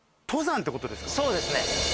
そうですね。